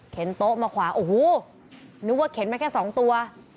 โต๊ะมาขวาโอ้โหนึกว่าเข็นมาแค่๒ตัว